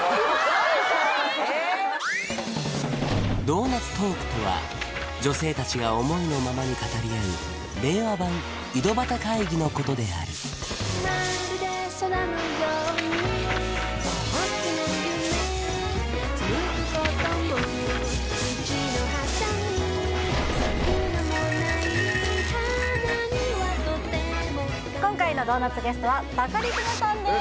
ドーナツトークとは女性達が思いのままに語り合う令和版井戸端会議のことである今回のドーナツゲストはバカリズムさんです